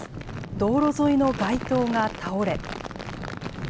道路沿いの街灯が倒れ。